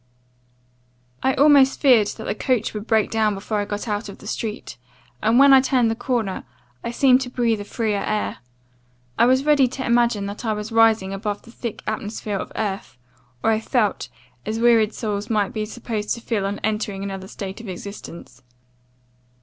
"I almost feared that the coach would break down before I got out of the street; and, when I turned the corner, I seemed to breathe a freer air. I was ready to imagine that I was rising above the thick atmosphere of earth; or I felt, as wearied souls might be supposed to feel on entering another state of existence.